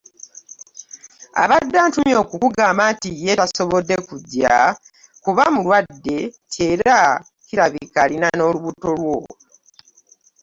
Abadde antumye okukugamba nti ye tasobodde kujja kuba mulwadde nti era kirabika alina n'olubuto lwo"